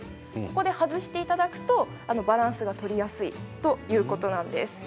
ここで外していただくとバランスが取りやすいということなんです。